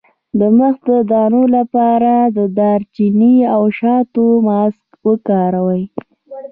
د مخ د دانو لپاره د دارچینی او شاتو ماسک وکاروئ